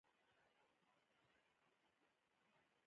د زوفا شربت د څه لپاره وکاروم؟